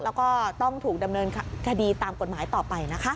แล้วก็ต้องถูกดำเนินคดีตามกฎหมายต่อไปนะคะ